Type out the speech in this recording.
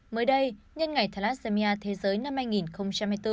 mới đây nhân ngày thalassemia thế giới năm hai nghìn hai mươi bốn